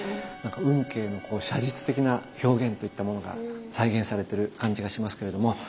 運慶の写実的な表現といったものが再現されてる感じがしますけれども。